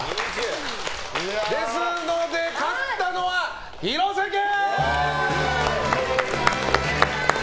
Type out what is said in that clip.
ですので勝ったのは廣瀬家！